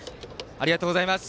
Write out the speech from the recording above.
ありがとうございます。